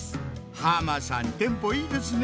浜さんテンポいいですねぇ！